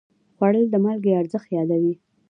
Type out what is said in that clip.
خوړل د مالګې ارزښت یادوي